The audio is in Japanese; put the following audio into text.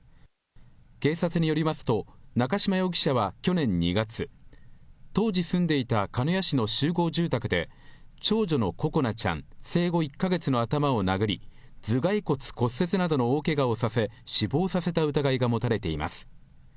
警察によりますと、中島容疑者は去年２月、当時住んでいた鹿屋市の集合住宅で長女の心絆ちゃん生後１か月の頭を殴り、頭がい骨骨折などの大けがをさせ、死亡させた疑いが持たれています。